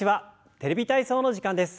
「テレビ体操」の時間です。